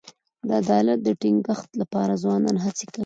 د عدالت د ټینګښت لپاره ځوانان هڅي کوي.